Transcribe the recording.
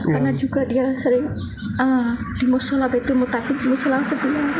karena juga dia sering dimusulah betul mutafik dimusulah sedih